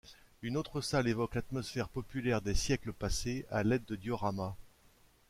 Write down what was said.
Une autre salle évoque l'atmosphère populaire des siècles passés à l'aide de dioramas.